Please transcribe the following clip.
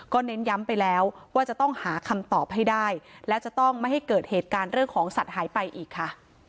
เน้นย้ำไปแล้วว่าจะต้องหาคำตอบให้ได้และจะต้องไม่ให้เกิดเหตุการณ์เรื่องของสัตว์หายไปอีกค่ะ